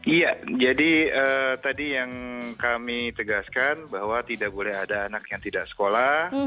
iya jadi tadi yang kami tegaskan bahwa tidak boleh ada anak yang tidak sekolah